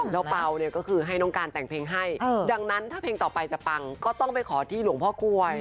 แล้วเปล่าเนี่ยก็คือให้น้องการแต่งเพลงให้ดังนั้นถ้าเพลงต่อไปจะปังก็ต้องไปขอที่หลวงพ่อกล้วย